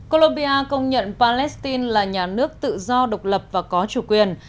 colombia công nhận palestine là nhà nước tự do độc lập và có chủ quyền